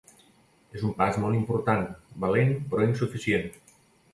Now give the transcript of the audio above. És un pas molt important, valent, però insuficient.